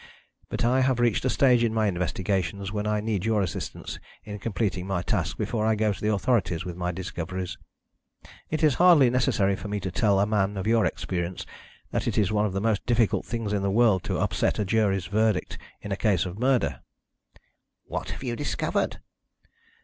But I have reached a stage in my investigations when I need your assistance in completing my task before I go to the authorities with my discoveries. It is hardly necessary for me to tell a man of your experience that it is one of the most difficult things in the world to upset a jury's verdict in a case of murder." "What have you discovered?"